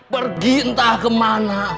pergi entah kemana